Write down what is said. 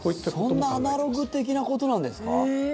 そんなアナログ的なことなんですか？